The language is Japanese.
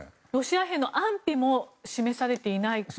ロシア兵の安否も示されていない。